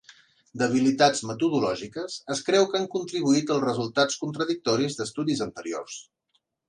Debilitats metodològiques es creu que han contribuït als resultats contradictoris d'estudis anteriors.